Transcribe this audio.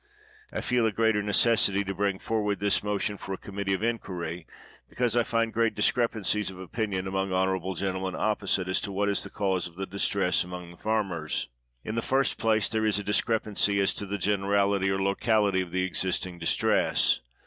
I feel a greater necessity to bring for ward this motion for a committee of inquiry, be cause I find great discrepancies of opinion among honorable gentlemen opposite as to what is the cause of the distress among the farmers. In the 157 THE WORLD'S FAMOUS ORATIONS first place there is a discrepancy as to the gen erality or locality of the existing distress.